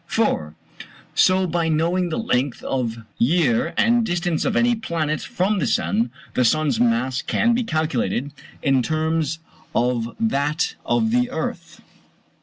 4. So by knowing the length of year and distance of any planet from the sun, the sun's mass can be calculated, in terms of that of the earth.